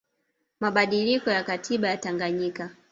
mabadiliko ya katiba ya Tanganyika